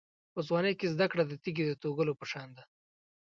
په ځوانۍ کې زده کړه د تېږې د توږلو په شان ده.